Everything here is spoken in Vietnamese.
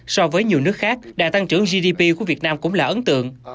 so với nhiều nước khác đà tăng trưởng gdp của việt nam cũng là ấn tượng